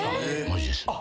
マジです。